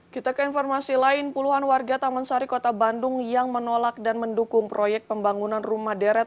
kita ke informasi lain puluhan warga taman sari kota bandung yang menolak dan mendukung proyek pembangunan rumah deret